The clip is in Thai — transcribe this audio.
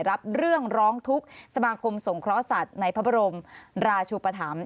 รับเรื่องร้องทุกข์สมาคมสงเคราะห์สัตว์ในพระบรมราชุปธรรม